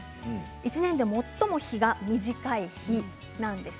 １年で最も日が短い日なんです。